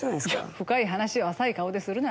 深い話を浅い顔でするな。